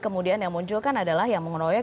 kemudian yang munculkan adalah yang mengeroyok